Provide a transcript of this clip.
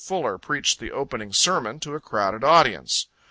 Fuller preached the opening sermon to a crowded audience.